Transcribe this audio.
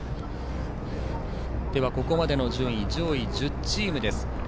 ここまでの順位上位１０チームです。